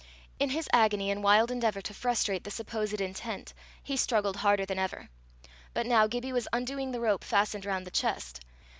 In his agony and wild endeavour to frustrate the supposed intent, he struggled harder than ever. But now Gibbie was undoing the rope fastened round the chest.